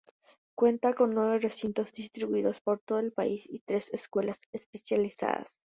Cuenta con nueve recintos distribuidos por todo el país y tres escuelas especializadas.